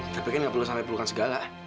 tapi kan gak perlu sampai pelukan segala